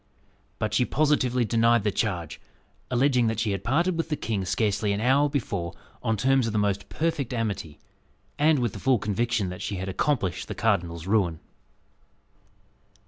But she positively denied the charge, alleging that she had parted with the king scarcely an hour before on terms of the most perfect amity, and with the full conviction that she had accomplished the cardinal's ruin.